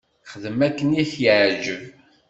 Xdem akken i k-yeɛǧeb.